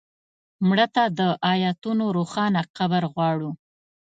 مړه ته د آیتونو روښانه قبر غواړو